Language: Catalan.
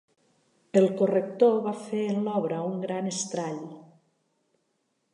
El corrector va fer en l'obra un gran estrall.